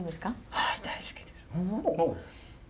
はい大好きです。